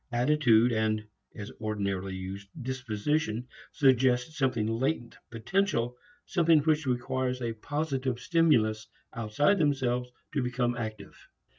Attitude and, as ordinarily used, disposition suggest something latent, potential, something which requires a positive stimulus outside themselves to become active.